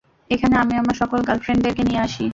এখানে আমি আমার সকল গার্লফ্রেন্ডদেরকে নিয়ে আসি।